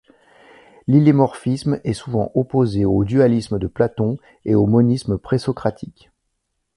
L'hylémorphisme est souvent opposé au dualisme de Platon et aux monismes présocratiques.